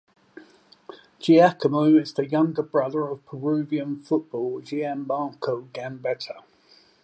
Giacomo is the younger brother of Peruvian footballer Gianmarco Gambetta.